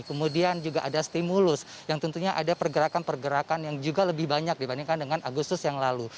kemudian juga ada stimulus yang tentunya ada pergerakan pergerakan yang juga lebih banyak dibandingkan dengan agustus yang lalu